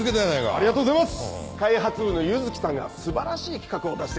ありがとうございます！